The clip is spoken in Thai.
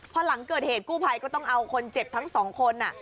พอหลังเกิดเหตุกู้ภัยก็ต้องเอาคนเจ็บทั้งสองคน